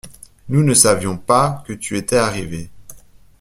Nous ne savions pas que tu étais arrivé.